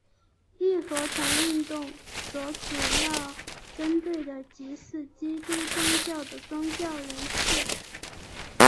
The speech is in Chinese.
义和团运动所主要针对的即是基督宗教的宗教人士。